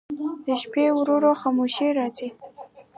د شپې ورو ورو خاموشي راځي.